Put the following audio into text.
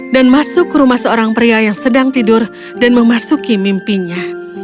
dan masuk ke rumah seorang pria yang sedang tidur dan memasuki mimpinya